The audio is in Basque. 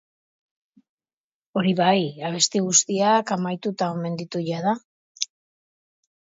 Hori bai, abesti guztiak amaituta omen ditu jada.